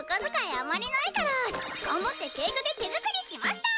あまりないから頑張って毛糸で手作りしました！